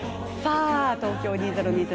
東京２０２０